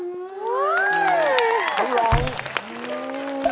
เฮ้อเสียดาย